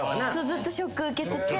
ずっとショック受けてて。